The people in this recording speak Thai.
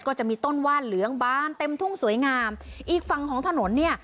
ก็จะมีต้นว่านเหลืองบานเต็มทุ่งสวยงามอีกฝั่งของถนนเนี่ย